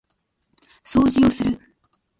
掃除をする